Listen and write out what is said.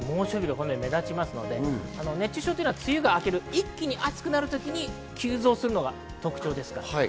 熱中症というのは梅雨が明け、一気に暑くなるときに急増するのが特徴です。